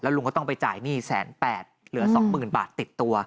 ลุงก็ต้องไปจ่ายหนี้๑๘๐๐เหลือ๒๐๐๐บาทติดตัว